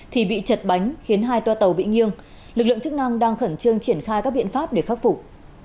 thì bị chật bánh khiến hai toa tàu bị nghiêng lực lượng chức năng đang khẩn trương triển khai các biện pháp để khắc phục